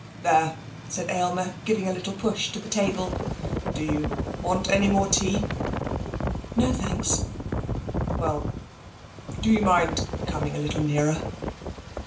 'There,' said Aylmer, giving a little push to the table. 'Do you want any more tea?' 'No, thanks.' 'Well do you mind coming a little nearer?'